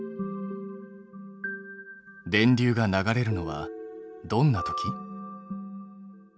電流が流れるのはどんなとき？